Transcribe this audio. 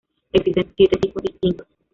Existen siete tipos distintos.